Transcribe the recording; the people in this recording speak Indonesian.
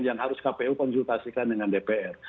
yang harus kpu konsultasikan dengan dpr